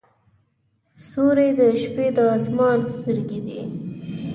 ستوري د شپې د اسمان سترګې دي.